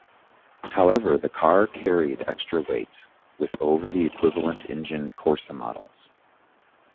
However, the car carried extra weight, with over the equivalent engined Corsa models.